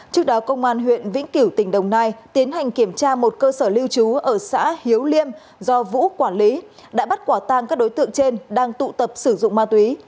trước đó công an huyện vĩnh kiểu tỉnh đồng nai tiến hành kiểm tra một cơ sở lưu trú ở xã hiếu liêm do vũ quản lý đã bắt quả tang các đối tượng trên đang tụ tập sử dụng ma túy